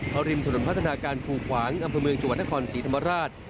พริมถนนพัฒนาการภูขวางอำเภอเมืองชวันธคอนสีธรรมราช